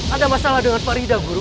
ada masalah dengan faridah guru